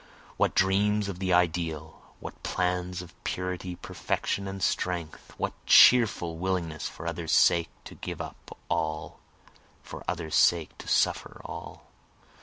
What dreams of the ideal? what plans of purity, perfection, strength? What cheerful willingness for others' sake to give up all? For others' sake to suffer all?